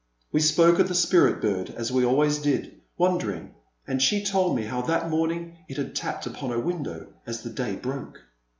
We spoke of the Spirit bird as we always did, wondering, and she told me how that morning it had tapped upon her window as the day broke.